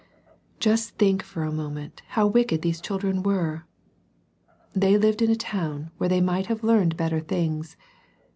Just think for a moment how wicked these children were 1 They lived in a town where they might have learned better things.